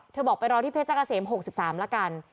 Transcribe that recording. เธอบอกไปรอที่เพชรกาเสม๖๓แล้วกัน